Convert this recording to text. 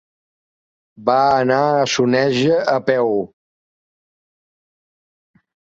Va anar a Soneja a peu.